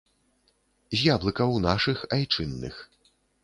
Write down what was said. З яблыкаў нашых айчынных.